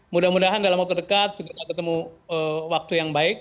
mudah mudahan dalam waktu dekat segera ketemu waktu yang baik